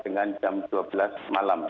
dengan jam dua belas malam